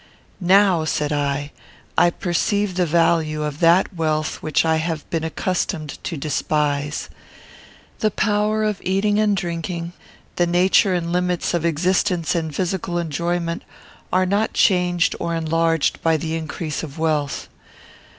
"Now," said I, "I perceive the value of that wealth which I have been accustomed to despise. The power of eating and drinking, the nature and limits of existence and physical enjoyment, are not changed or enlarged by the increase of wealth.